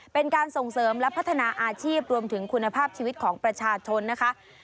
เป็นการส่งเสริมและพัฒนาอาชีพรวมถึงคุณภาพชีวิตของประชาชนนะคะ